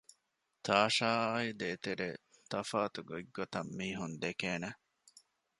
ތާޝާއާއި ދޭތެރޭ ތަފާތު ގޮތްގޮތަށް މީހުން ދެކޭނެ